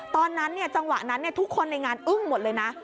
ตอนนั้นเนี่ยจังหวะนั้นเนี่ยทุกคนในงานอึ้งหมดเลยนะ